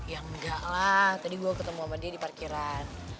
ya enggak lah tadi gue ketemu sama dia di parkiran